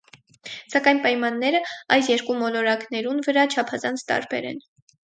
Սակայն պայմանները այս երկու մոլորակներուն վրայ չափազանց տարբեր են։